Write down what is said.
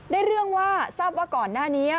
เรื่องว่าทราบว่าก่อนหน้านี้